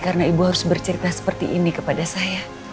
karena ibu harus bercerita seperti ini kepada saya